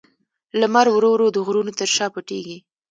لمر ورو ورو د غرونو تر شا پټېږي.